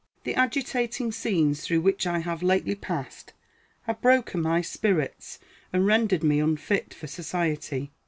The agitating scenes through which I have lately passed have broken my spirits, and rendered me unfit for society.